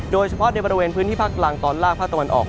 โดยเฉพาะในบริเวณพื้นที่ภาคกลางตอนล่างภาคตะวันออก